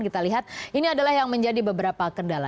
kita lihat ini adalah yang menjadi beberapa kendala